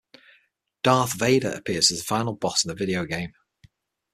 Darth Vader appears as the final boss in the video game.